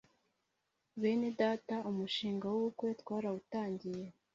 Bene data umushinga w’ubukwe twarawutangiye